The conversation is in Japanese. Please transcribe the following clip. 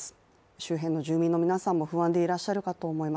周辺の住民の皆さんも不安でいらっしゃると思います。